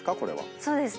そうですね。